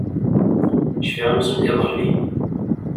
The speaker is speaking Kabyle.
Cfiɣ amzun d iḍelli.